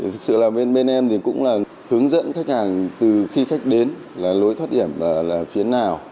thực sự là bên bên em thì cũng là hướng dẫn khách hàng từ khi khách đến là lối thoát điểm là phía nào